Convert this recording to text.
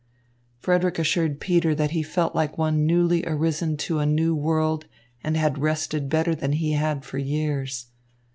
Frederick assured Peter that he felt like one newly arisen to a new world and had rested better than he had for years.